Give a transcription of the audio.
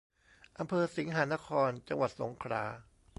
อำเภอสิงหนคร จังหวัดสงขลา